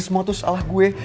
semua itu salah gue